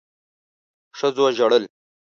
ښځو ژړل.